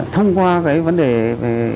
thông qua vấn đề về